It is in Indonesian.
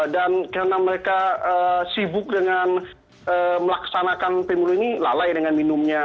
dan karena mereka sibuk dengan melaksanakan penyelenggaraan ini lalai dengan minumnya